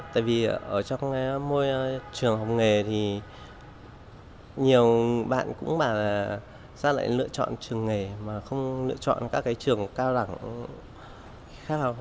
tại vì ở trong môi trường học nghề thì nhiều bạn cũng mà ra lại lựa chọn trường nghề mà không lựa chọn các cái trường cao đẳng khác học